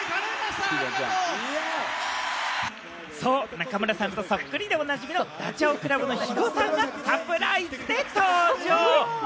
中村さんとそっくりでおなじみのダチョウ倶楽部の肥後さんがサプライズで登場。